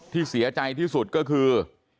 ที่เสียใจที่สุดก็คือ